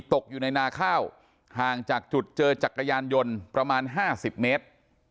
ตกอยู่ในนาข้าวห่างจากจุดเจอจักรยานยนต์ประมาณ๕๐เมตร